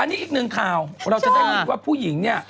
อันนี้อีกหนึ่งข่าวเราจะได้รู้ว่าผู้หญิงเนี่ย